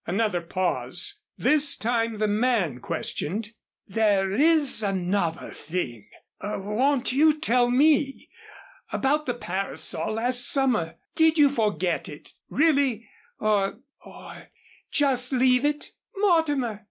Another pause. This time the man questioned: "There is another thing won't you tell me? About the parasol last summer did you forget it, really or or just leave it?" "Mortimer!"